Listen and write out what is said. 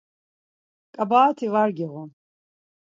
Ǩabaet̆i var giğun.